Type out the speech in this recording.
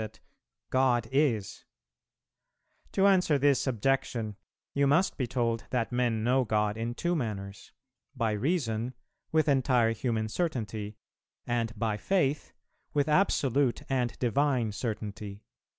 God is. To answer this objection, you must be told that men know God in two manners. By Reason, with entire human certainty; and by Faith, with absolute and divine certainty.